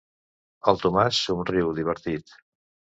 El Tomàs somriu, divertit.